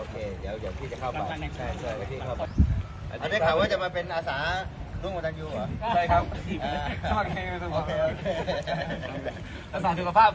หลงหลงหลงหลงหลงหลงหลงหลงหลงหลง